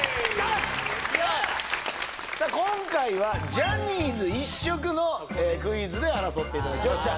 さあ今回はジャニーズ一色のクイズで争っていただきます